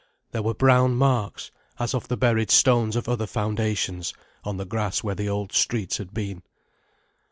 There were brown marks, as of the buried stones of other foundations, on the grass where the old streets had been.